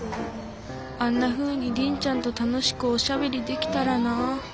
あんなふうにリンちゃんと楽しくおしゃべりできたらなぁ。